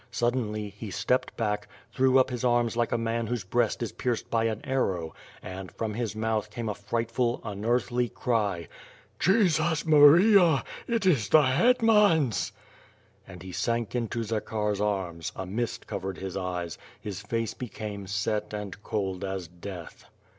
Suddenly, he stepped back, threw up his arms like a man whose breast is pierced by an arrow, and, from his mouth came a frightful, unearthly cry: "Jesus Maria! it is the hetmans!" And he sank into Zakhar's arms, a mist covered his eyes, his face became set and cold as death.